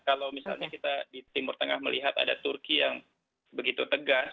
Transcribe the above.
kalau misalnya kita di timur tengah melihat ada turki yang begitu tegas